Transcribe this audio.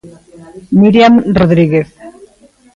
Míriam Rodríguez.